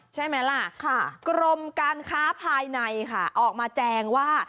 ใช่ไหมล่ะกรมการค้าภายในค่ะออกมาแจงว่า